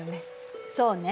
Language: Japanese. そうね。